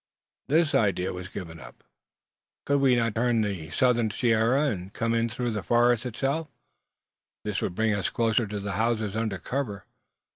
This idea was given up. Could we not turn the southern sierra, and come in through the forest itself? This would bring us close to the houses under cover.